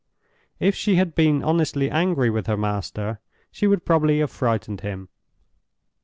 If she had been honestly angry with her master, she would probably have frightened him.